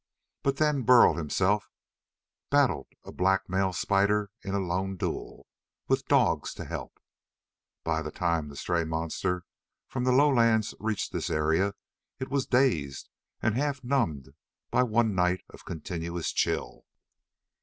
But then Burl, himself, battled a black male spider in a lone duel, with dogs to help. By the time a stray monster from the lowlands reached this area, it was dazed and half numbed by one night of continuous chill.